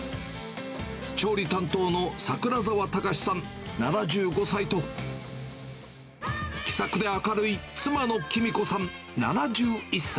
調理担当の櫻澤孝さん７５歳と、気さくで明るい妻の喜美子さん７１歳。